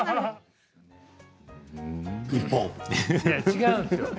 違う。